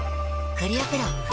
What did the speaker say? クリアプロだＣ。